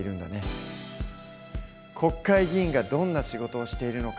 国会議員がどんな仕事をしているのか